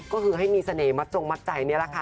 ก็คือให้มีเสน่หมัดจงมัดใจนี่แหละค่ะ